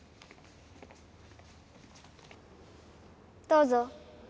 どうぞ。